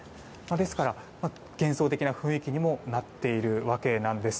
ですから幻想的な雰囲気にもなっているわけなんです。